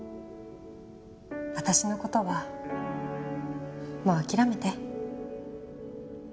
私の事はもう諦めて。